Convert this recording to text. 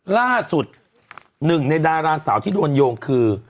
ล่าสุดหนึ่งในดาราสาวที่โดนโยงคือ